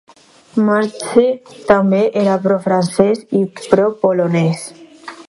Maxse també era pro-francès i pro-polonès.